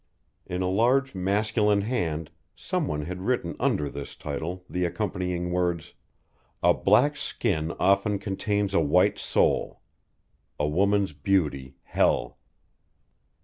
In a large masculine hand some one had written under this title the accompanying words; "A black skin often contains a white soul; a woman's beauty, hell."